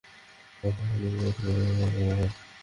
অথচ পানি জমলেই ঢাকনা খুলে দিয়ে দুর্ঘটনা ঘটানোর ব্যবস্থা করা হয়।